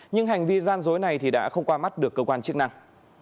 nhưng hành vi gian dối này thì đã không qua mắt được cơ quan chức năng